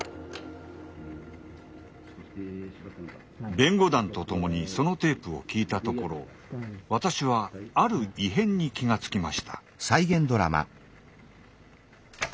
弁護団と共にそのテープを聴いたところ私はある異変に気が付きました。